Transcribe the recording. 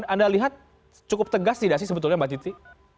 anda lihat cukup tegas tidak sih sebetulnya mbak titi